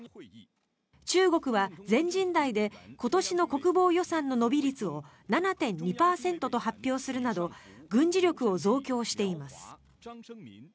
中国は全人代で今年の国防予算の伸び率を７．２％と発表するなど軍事力を増強しています。